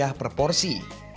berapa per porsi